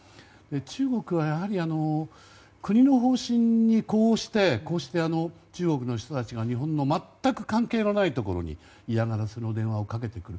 中国は、国の方針にこうして中国の人たちが日本の全く関係のないところに嫌がらせの電話をかけてくる。